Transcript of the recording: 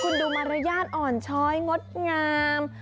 คุณดูมารยาทอ่อนช้อยงดงาม